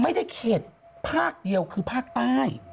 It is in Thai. เขตภาคเดียวคือภาคใต้